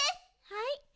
はい。